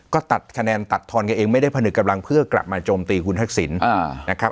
ก็ตัดคะแนนตัดทอนกันเองไม่ได้ผนึกกำลังเพื่อกลับมาโจมตีคุณทักษิณนะครับ